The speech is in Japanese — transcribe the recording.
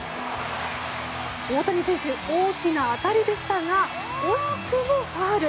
大谷選手、大きな当たりでしたが惜しくもファウル。